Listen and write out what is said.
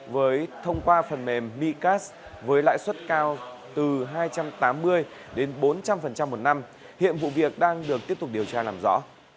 với thông qua phần mềm micas với lãi suất cao từ hai trăm tám mươi đến bốn trăm linh một năm hiện vụ việc đang được tiếp tục điều tra làm rõ